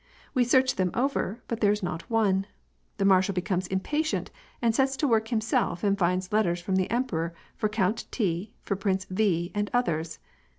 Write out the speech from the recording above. We search them over, but there is not one. The marshal becomes impatient and sets to work himself and finds letters from the emperor for Count T., for Prince V., and others.